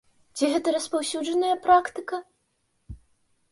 Ці гэта распаўсюджаная практыка?